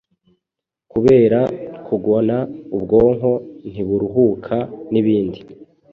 Kubera kugona ubwonko ntiburuhuka, n’ibindi.